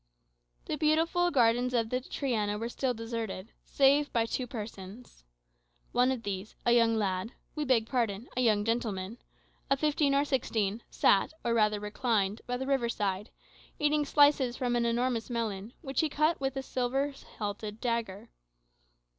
The beautiful gardens of the Triana were still deserted, save by two persons. One of these, a young lad we beg pardon, a young gentleman of fifteen or sixteen, sat, or rather reclined, by the river side, eating slices from an enormous melon, which he cut with a small silver hilted dagger.